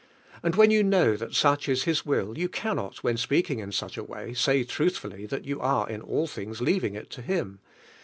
And when yon know that such ia llis will you cannot, when speaking in smh a way, say truthfully that yon are in all tilings leaving it to Ilica.